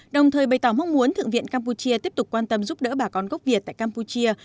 đồng thời bày tỏ mong muốn thượng viện campuchia tiếp tục quan tâm giúp đỡ bà con gốc việt tại campuchia